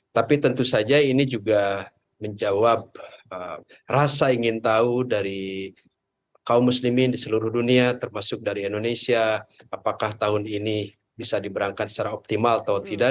tapi tentu saja ini juga menjawab rasa ingin tahu dari kaum muslimin di seluruh dunia termasuk dari indonesia apakah tahun ini bisa diberangkan secara optimal atau tidak